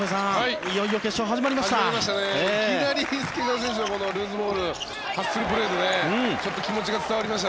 いよいよ決勝が始まりました。